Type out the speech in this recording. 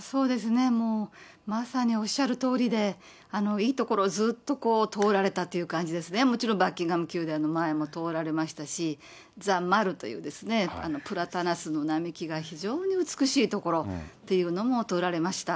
そうですね、もう、まさにおっしゃるとおりで、いい所をずっと通られたという感じですね、もちろん、バッキンガム宮殿の前も通られましたし、ザ・マルという、プラタナスの並木が非常に美しい所っていうのも通られました。